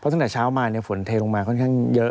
ตั้งแต่เช้ามาฝนเทลงมาค่อนข้างเยอะ